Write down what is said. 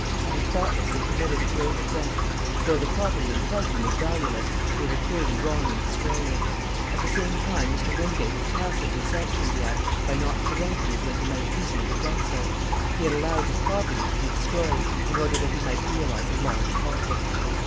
I had thoughtlessly committed a grave offence. Though the property in question was valueless, we were clearly wrong in destroying it. At the same time Mr. Wingate had tacitly sanctioned the act by not preventing it when he might easily have done so. He had allowed his property to be destroyed in order that he might realize a large profit.